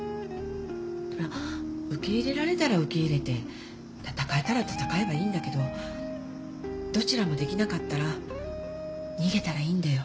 そりゃ受け入れられたら受け入れて戦えたら戦えばいいんだけどどちらもできなかったら逃げたらいいんだよ。